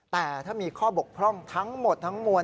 แต่ถ้ามีข้อบกพร่องทั้งหมดทั้งมวล